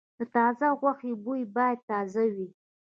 د تازه غوښې بوی باید تازه وي.